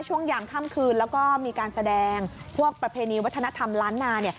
ยามค่ำคืนแล้วก็มีการแสดงพวกประเพณีวัฒนธรรมล้านนา